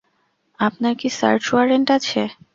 আপনার কি search warrant আছে?